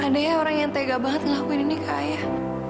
adanya orang yang tega banget ngelakuin ini ke ayah